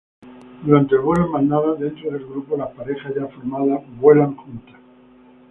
Durante el vuelo en bandada, dentro del grupo, las parejas ya formadas vuelan juntas.